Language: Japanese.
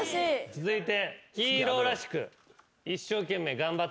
続いて。